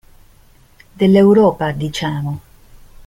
Dell'Europa, diciamo.